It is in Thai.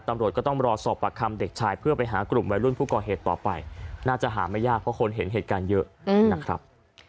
ตำรวจก็ต้องรอสอบปากคำเด็กชายเพื่อไปหากลุ่มวัยรุ่นผู้ก่อเหตุต่อไปน่าจะหาไม่ยากเพราะคนเห็นเหตุการณ์เยอะนะครับ